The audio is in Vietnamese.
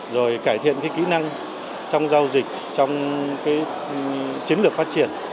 rồi cải thiện kỹ năng trong giao dịch trong chiến lược phát triển